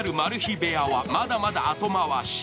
部屋はまだまだ後回し。